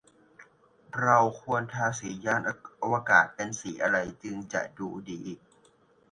เราควรทาสียานอวกาศเป็นสีอะไร จึงจะดูดี